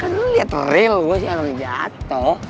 kan lo liat real gue sih orang jatuh